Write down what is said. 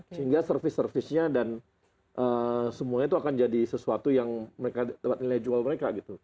sehingga servis servisnya dan semuanya itu akan jadi sesuatu yang mereka dapat nilai jual mereka